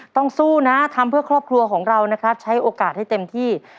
สู้นะทำเพื่อครอบครัวของเรานะครับใช้โอกาสให้เต็มที่